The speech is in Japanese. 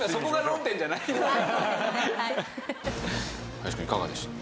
林くんいかがでした？